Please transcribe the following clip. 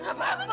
mama mama dengar